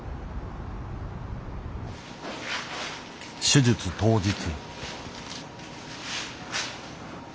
手術当日。